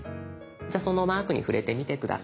じゃあそのマークに触れてみて下さい。